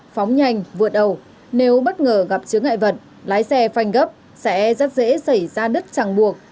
phóng nhanh vượt ẩu nếu bất ngờ gặp chứa ngại vật lái xe phanh gấp sẽ rất dễ xảy ra đứt chẳng buộc